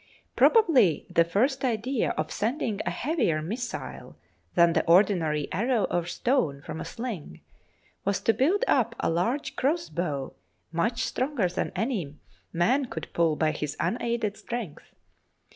Probably the first idea of sending a heavier missile than the ordinary arrow or stone from a sling, was to build up a large crossbow much stronger than any man could pull by his unaided strength.